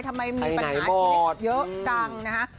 ทำไมมีปัญหาชีวิตเยอะจังใครไหนบอก